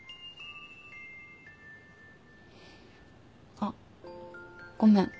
あっごめん。